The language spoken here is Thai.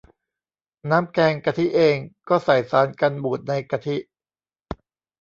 น้ำแกงกะทิเอง ก็ใส่สารกันบูดในกะทิ